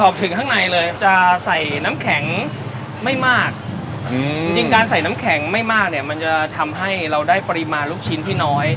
ถึงข้างในเลยจะใส่น้ำแข็งไม่มากจริงการใส่น้ำแข็งไม่มากเนี่ยมันจะทำให้เราได้ปริมาณลูกชิ้นที่น้อย